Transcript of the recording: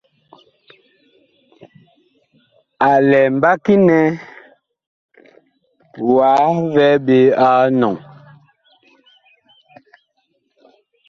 A lɛ mbaki nɛ wah vɛɛ ɓe a enɔŋ ?